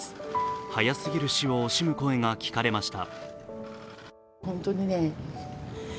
早すぎる死を惜しむ声が聞かれました。